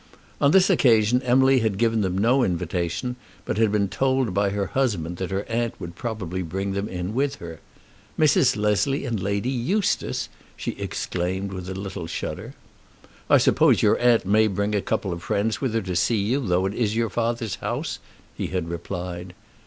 On this occasion Emily had given them no invitation, but had been told by her husband that her aunt would probably bring them in with her. "Mrs. Leslie and Lady Eustace!" she exclaimed with a little shudder. "I suppose your aunt may bring a couple of friends with her to see you, though it is your father's house?" he had replied.